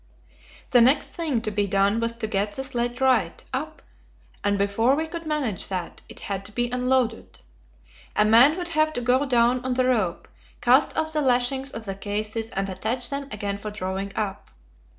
The next thing to be done was to get the sledge right, up, and before we could manage that it had to be unloaded. A man would have to go down on the rope, cast off the lashings of the cases, and attach them again for drawing up.